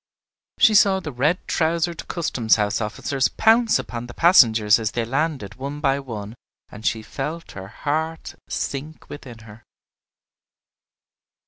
She saw the red trousered custom house officers pounce upon the passengers as they landed one by one, and she felt her heart sink within her.